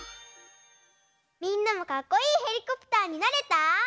みんなもかっこいいペリコプターになれた？